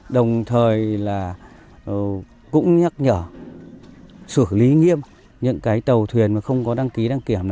đồng thời cũng nhắc nhở sửa lý nghiêm những tàu thuyền không có đăng ký đăng kiểm